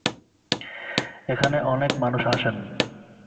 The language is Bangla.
এখানে অনেক মানুষ আসেন।